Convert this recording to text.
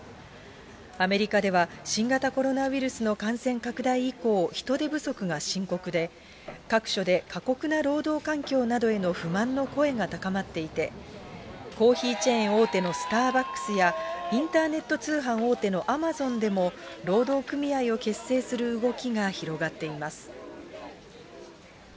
アメリカでは、新型コロナウイルスの感染拡大以降、人手不足が深刻で、各所で過酷な労働環境などへの不満の声が高まっていて、コーヒーチェーン大手のスターバックスや、インターネット通販大手のアマゾンでも、労働組合を結成する動きが広がっています。